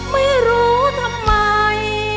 ไม่รู้ทำไม